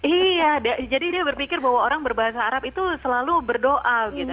iya jadi dia berpikir bahwa orang berbahasa arab itu selalu berdoa gitu